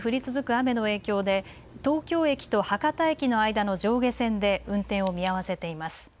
雨の影響で東京駅と博多駅の間の上下線で運転を見合わせています。